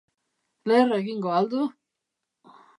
Leher egingo ahal du!